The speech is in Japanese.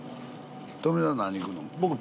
富澤何いくの？